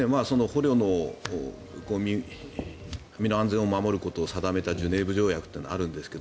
捕虜の身の安全を守ることを定めたジュネーブ条約というのがあるんですが